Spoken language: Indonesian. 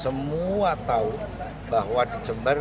semua tahu bahwa di jember